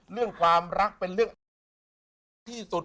เรื่องความรักเป็นเรื่องที่สุด